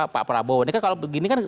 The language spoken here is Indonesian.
pak prabowo ini kan kalau begini kan